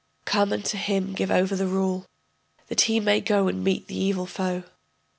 Come and to him give over the rule, That he may go and meet the evil foe.